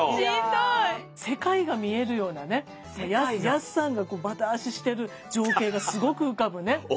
世界が見えるようなねやすさんがバタ足してる情景がすごく浮かぶね。